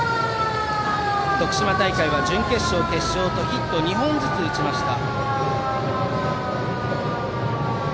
徳島大会は準決勝、決勝とヒットを２本ずつ打ちました。